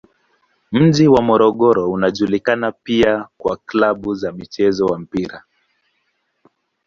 Mji wa Morogoro unajulikana pia kwa klabu za mchezo wa mpira.